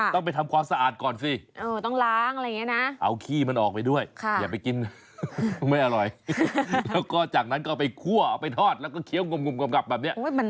ต้องไปทำความสะอาดก่อนสิเอาขี้มันออกไปด้วยอย่าไปกินไม่อร่อยแล้วก็จากนั้นก็เอาไปคั่วเอาไปทอดแล้วก็เคี้ยวกลมกลับแบบนี้